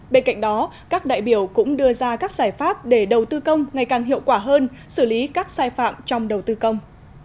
bên cạnh đó các đại biểu cũng đưa ra các giải pháp để đầu tư công ngày càng hiệu quả hơn xử lý các sai phạm trong đầu tư công